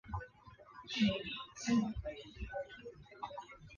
该基金会亦为联合国经济及社会理事会的特别顾问。